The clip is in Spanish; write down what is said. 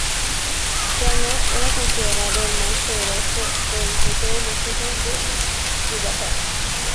Fëanor era considerado el más poderoso de entre todos los Hijos de Ilúvatar.